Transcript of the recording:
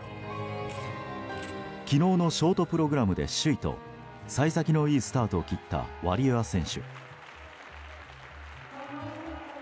昨日のショートプログラムで首位と幸先のいいスタートを切ったワリエワ選手。